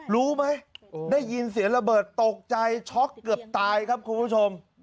รู้ไหมได้ยินเสียงระเบิดตกใจช็อกเกือบตายครับคุณผู้ชม